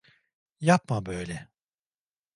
Yapma böyle.